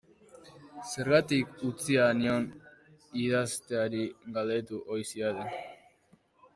Zergatik utzia nion idazteari galdetu ohi zidaten.